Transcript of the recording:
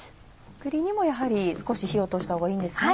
栗にも少し火を通したほうがいいんですね？